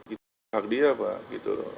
itu hak dia pak gitu